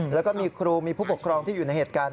แล้วก็มีครูมีผู้ปกครองที่อยู่ในเหตุการณ์